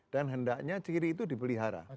dan hendaknya ciri itu dipelihara